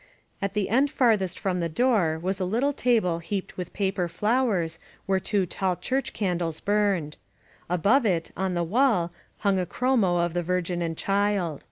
At the end farthest from the door was a little table heaped with paper flowers where two tall church candles burned. Above it, on the wall, hung a chromo of the Virgin and Child.